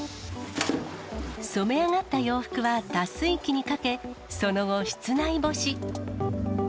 染め上がった洋服は脱水機にかけ、その後、室内干し。